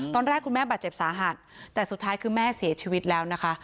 ตอนแรกคุณแม่บาดเจ็บสาหัสแต่สุดท้ายคือแม่เสียชีวิตแล้วนะคะ